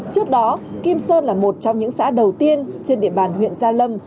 trước đó kim sơn là một trong những xã đầu tiên trên địa bàn huyện gia lâm